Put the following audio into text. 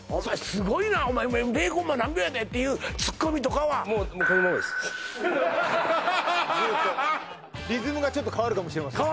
すごいなお前０コンマ何秒やでっていうツッコミとかはもうずっとリズムがちょっと変わるかもしれませんね